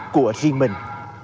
của riêng mình